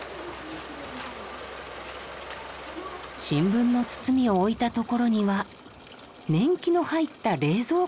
新聞の包みを置いた所には年季の入った冷蔵庫が。